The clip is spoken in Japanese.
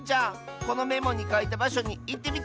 このメモにかいたばしょにいってみて！